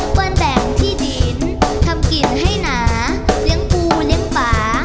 เพื่อนแบ่งที่ดินทำกินให้หนาเลี้ยงปูเลี้ยงป่า